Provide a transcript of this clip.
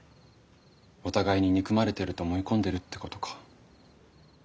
お互いに憎まれてると思い込んでるってことか。